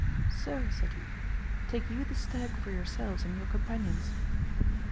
Sir, said he, take you the stag for yourselves and your companions.